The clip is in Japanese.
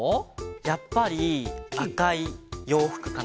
やっぱりあかいようふくかな。